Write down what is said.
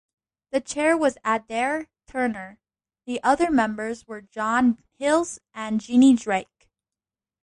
The chair was Adair Turner, the other members were John Hills and Jeannie Drake.